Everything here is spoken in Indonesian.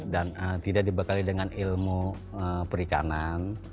dan tidak dibekali dengan ilmu perikanan